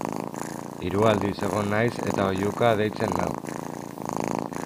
Hiru aldiz egon naiz eta oihuka deitzen nau.